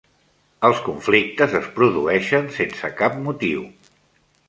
Els conflictes es produeixen sense cap motiu.